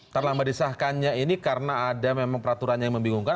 terlambat disahkannya ini karena ada memang peraturannya yang membingungkan